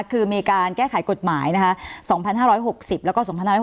คือมีการแก้ไขกฎหมายนะคะ๒๕๖๐แล้วก็๒๕๖๖